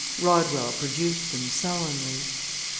Rodwell produced them sullenly.